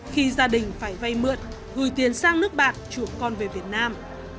khi gia đình phải vây mượn gửi tiền sang nước bạn chuộc con về việt nam